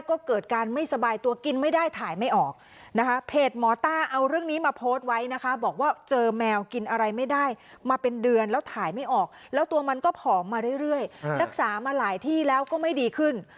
ก็เกิดการไม่สบายตัวกินไม่ได้ถ่ายไม่ออกนะคะเพจหมอต้าเอาเรื่องนี้มาโพสต์ไว้นะคะบอกว่าเจอแมวกินอะไรไม่ได้มาเป็นเดือนแล้วถ่ายไม่ออกแล้วตัวมันก็ผอมมาเรื่อยรักษามาหลายที่แล้วก็ไม่ดีขึ้น